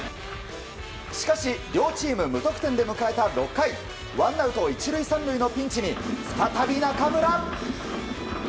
しかし、両チーム無得点で迎えた６回ワンアウト１塁３塁のピンチに再び、中村。